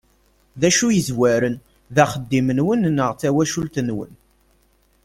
D acu i yezwaren, d axeddim-nwen neɣ d tawacult-nwen?